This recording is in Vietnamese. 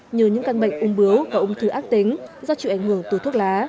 như những căn bệnh ung bướu và ung thư ác tính do chịu ảnh hưởng từ thuốc lá